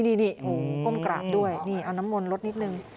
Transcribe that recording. นี่ก้มกราบด้วยนี่เอาน้ำมนต์ลดนิดนึง